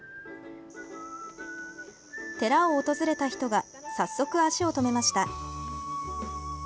寺を訪れた人が早速、足を止めました。